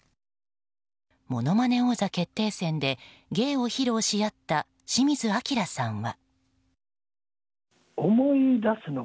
「ものまね王座決定戦」で芸を披露し合った清水アキラさんは。